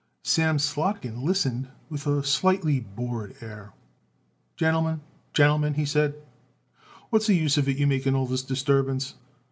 Sam Slotkin listened with a slightly bored air. "Gentlemen, gentlemen," he said, "what's the use of it you make all this disturbance?